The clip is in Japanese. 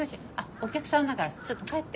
お客さんだからちょっと帰って。